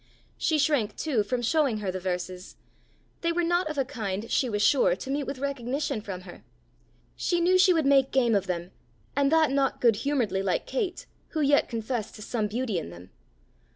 She shrank too from showing her the verses: they were not of a kind, she was sure, to meet with recognition from her. She knew she would make game of them, and that not good humouredly like Kate, who yet confessed to some beauty in them.